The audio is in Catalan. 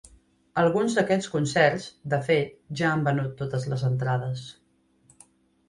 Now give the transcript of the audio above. Alguns d’aquests concerts, de fet, ja han venut totes les entrades.